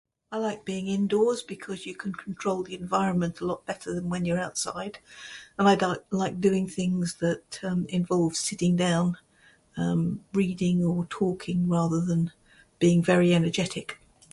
I like being indoors because you can control the environment a lot better than when you're outside but I don't like doing things that involve sitting down, reading or talking rather than being very energetic.